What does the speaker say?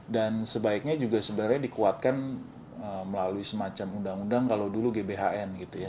dan sebaiknya juga sebenarnya dikuatkan melalui semacam undang undang kalau dulu gbhn gitu ya